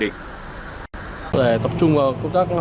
chúng tôi tập trung vào công tác